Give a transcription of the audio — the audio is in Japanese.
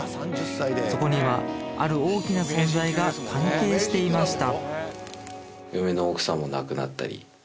そこにはある大きな存在が関係していました